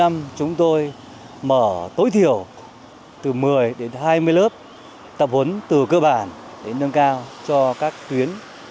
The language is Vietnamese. mở tối thiểu từ một mươi đến hai mươi lớp tập huấn từ cơ bản đến nâng cao cho các tuyến